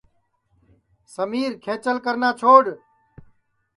سمیر کھنٚچل کرنا چھوڈؔ